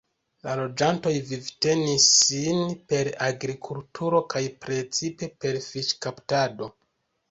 La loĝantoj vivtenis sin per agrikulturo kaj precipe per fiŝkaptado.